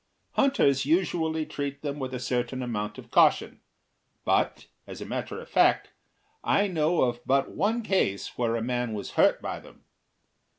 Hunters usually treat them with a certain amount of caution; but, as a matter of act, I know of but one case where a man was hurt by them.